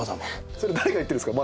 それ誰が言ってるんすか？